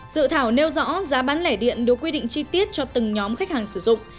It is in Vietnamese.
dự thảo nêu rõ giá bán lẻ điện được quy định chi tiết cho từng nhóm khách hàng sử dụng